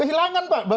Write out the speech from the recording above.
ya kehilangan pak